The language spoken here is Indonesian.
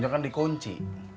itu kan dikunci